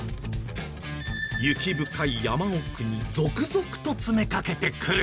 雪深い山奥に続々と詰めかけてくる。